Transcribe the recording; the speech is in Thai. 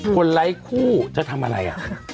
คนไร้คู่จะทำอะไรอะ